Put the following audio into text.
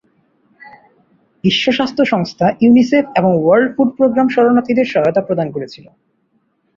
বিশ্ব স্বাস্থ্য সংস্থা, ইউনিসেফ এবং ওয়ার্ল্ড ফুড প্রোগ্রাম শরণার্থীদের সহায়তা প্রদান করেছিল।